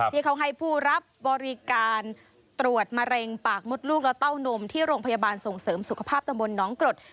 ที่เขาให้ผู้รับบริการตรวจมะเร็งปากมดลูกและเต้านมที่โรงพยาบาลส่งเสริมสุขภาพตำบลน้องกรด